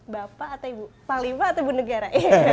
bapak atau ibu panglima atau ibu negara